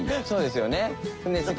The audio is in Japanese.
そうですよね。